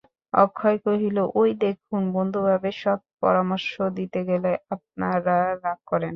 অক্ষয় কহিল, ঐ দেখুন, বন্ধুভাবে সৎপরামর্শ দিতে গেলে আপনারা রাগ করেন।